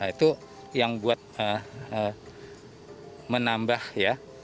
itu yang buat menambah ya